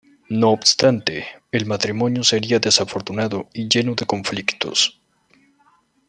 No obstante, el matrimonio sería desafortunado y lleno de conflictos.